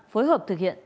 phối hợp thực hiện